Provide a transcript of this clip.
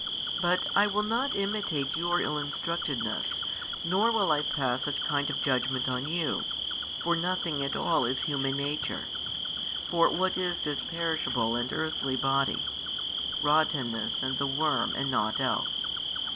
But I will not imitate your ill instructedness, nor will I pass such kind of judgment on you: for nothing at all is human nature. For what is this perishable and earthly body? rottenness and the worm and nought else.